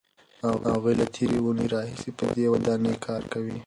هغوی له تېرې اوونۍ راهیسې په دې ودانۍ کار کوي.